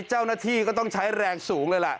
เจ้าหน้าที่ก็ต้องใช้แรงสูงเลยล่ะ